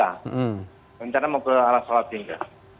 rencana mau ke arah salatiga